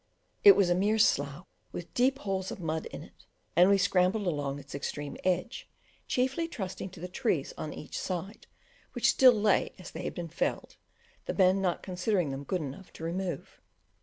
It was a mere slough with deep holes of mud in it, and we scrambled along its extreme edge, chiefly trusting to the trees on each side, which still lay as they had been felled, the men not considering them good enough to remove.